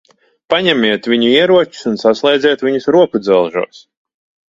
Paņemiet viņu ieročus un saslēdziet viņus rokudzelžos.